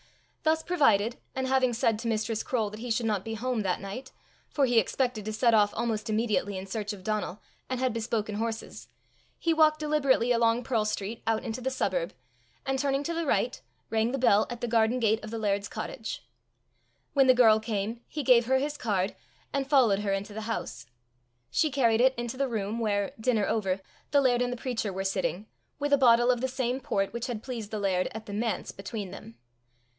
Thus provided, and having said to Mistress Croale that he should not be home that night for he expected to set off almost immediately in search of Donal, and had bespoken horses, he walked deliberately along Pearl street out into the suburb, and turning to the right, rang the bell at the garden gate of the laird's cottage. When the girl came, he gave her his card, and followed her into the house. She carried it into the room where, dinner over, the laird and the preacher were sitting, with a bottle of the same port which had pleased the laird at the manse between them.